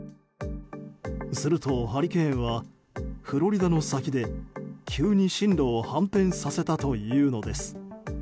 するとハリケーンはフロリダの先で急に進路を反転させたというのです。